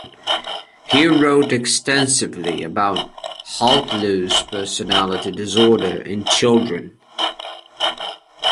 He wrote extensively about Haltlose personality disorder in children.